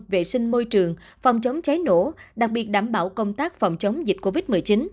vệ sinh môi trường phòng chống cháy nổ đặc biệt đảm bảo công tác phòng chống dịch covid một mươi chín